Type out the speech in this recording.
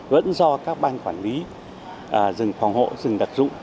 vẫn do các ban quản lý rừng phòng hộ rừng đặc dụng